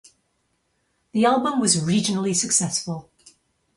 The album was regionally successful.